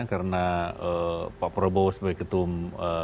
karena pak prabowo sebagai ketua